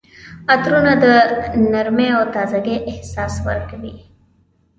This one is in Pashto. عطرونه د نرمۍ او تازګۍ احساس ورکوي.